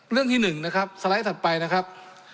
เรื่องที่๑นะครับสไลด์ถัดไปนะครับ